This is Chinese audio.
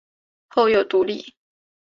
后又独立。